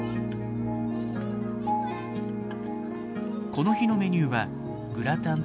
この日のメニューはグラタンとオムレツ。